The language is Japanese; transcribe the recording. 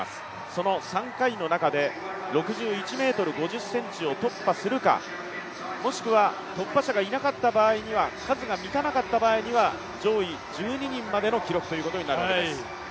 その３回の中で、６１ｍ５０ｃｍを突破するかもしくは突破者がいなかった場合には、数が満たなかった場合には上位１２人までの記録ということになるわけです。